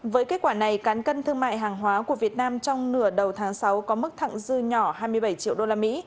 với kết quả này cán cân thương mại hàng hóa của việt nam trong nửa đầu tháng sáu có mức thẳng dư nhỏ hai mươi bảy triệu usd